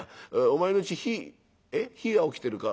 お前のうち火火はおきてるか」。